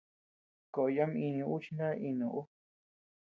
Koʼoy ama ini ú chi na inu ú.